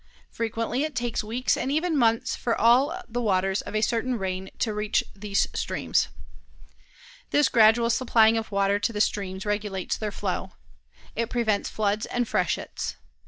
Frequently it takes weeks and even months for all the waters of a certain rain to reach these streams. This gradual supplying of water to the streams regulates their flow. It prevents floods and freshets.